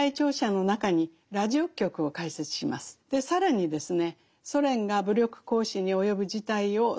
で更にですね